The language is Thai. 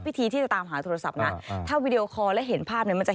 วิธีที่จะตามหาโทรศัพท์ทดลองเท่าวีดีลคอล์และเห็นภาพที่จะ